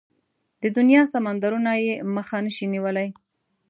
د دنيا سمندرونه يې مخه نشي نيولای.